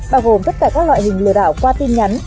bao gồm tất cả các loại hình lừa đảo qua tin nhắn